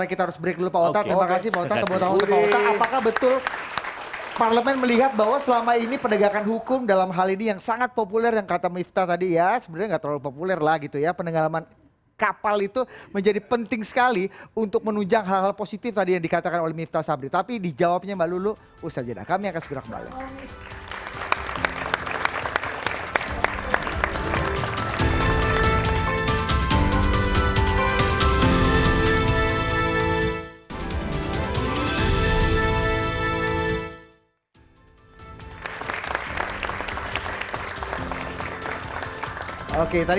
karena kita harus break dulu pak wata terima kasih pak wata